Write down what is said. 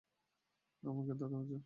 আমাকে ধর, অর্জুন!